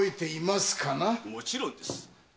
もちろんです。